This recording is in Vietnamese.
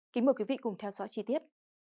kính mời quý vị cùng theo dõi chi tiết